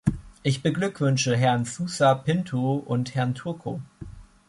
Ich beglückwünsche Herrn Sousa Pinto und Herrn Turco.